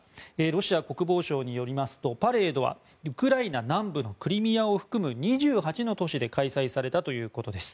ロシア国防省によりますとパレードはウクライナ南部のクリミアを含む２８の都市で開催されたということです。